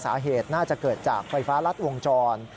สาเหตุน่าจะเกิดจากไฟฟ้ารัดวงจร